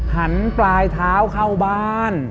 หันปลายเท้าเข้าบ้าน